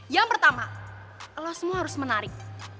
yang pertama lo semua harus menarik